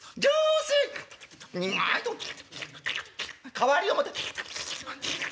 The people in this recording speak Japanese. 代わりを持て」。